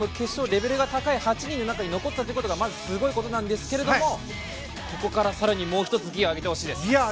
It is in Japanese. レベルの高い８人の中に残ったことがまず、すごいことなんですけどここから更に、もう１つギアを上げてほしいです。